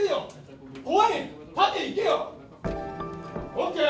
ＯＫ？